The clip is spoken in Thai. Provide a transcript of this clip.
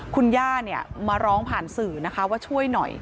คุณย่ามาร้องผ่านสื่อนะคะว่าช่วยหน่อย